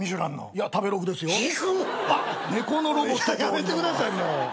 やめてくださいもう。